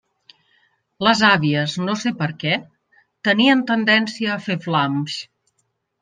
Les àvies, no sé per què, tenien tendència a fer flams.